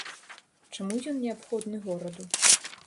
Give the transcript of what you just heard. Чаму ён неабходны гораду?